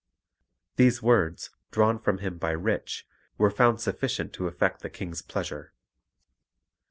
These words, drawn from him by Rich, were found sufficient to effect the King's pleasure.